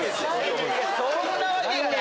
そんなわけがない！